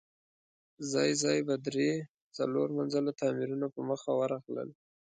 ځای ځای به درې، څلور منزله تاميرونه په مخه ورغلل.